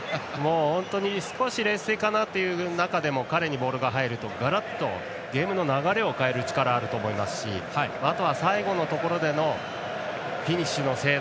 少し劣勢かなという中でも彼にボールが入るとガラッとゲームの流れを変える力があると思いますしあとは最後のところでのフィニッシュの精度。